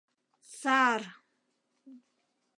Сар!